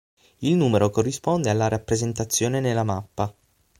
Il numero corrisponde alla rappresentazione nella mappa.